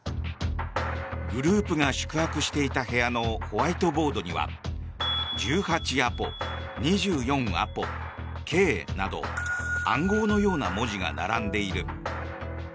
グループが宿泊していた部屋のホワイトボードには１８アポ、２４アポ、継など暗号のような文字が並んでいる。